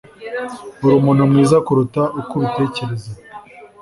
Urumuntu mwiza kuruta uko ubitekereza.